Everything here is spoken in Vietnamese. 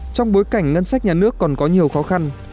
trong bối cảnh ngân sách nhà nước còn có nhiều khó khăn